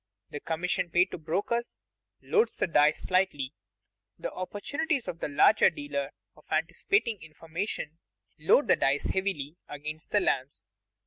The commission paid to brokers "loads the dice" slightly; the opportunities of the larger dealer of anticipating information load the dice heavily against the lambs.